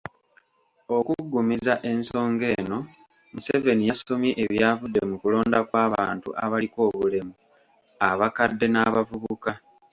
Okuggumiza ensonga eno, Museveni yasomye ebyavudde mu kulonda kw’abantu abaliko obulemu, abakadde n’abavubuka.